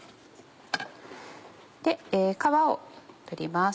皮を取ります。